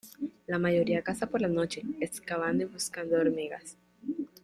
La mayoría caza por la noche, excavando y buscando hormigas.